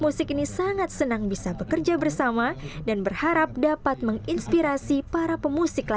musik ini sangat senang bisa bekerja bersama dan berharap dapat menginspirasi para pemusik